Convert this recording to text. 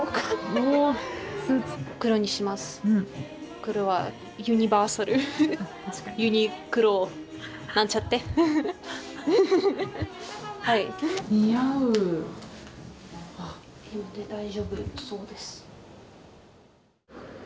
大丈夫そうです。